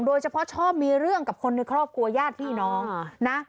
ชอบมีเรื่องกับคนในครอบครัวญาติพี่น้องนะ